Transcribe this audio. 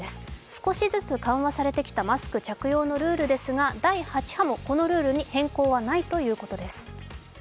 少しずつ緩和されてきたマスク着用のルールですが第８波もこのルールに変更はないということです。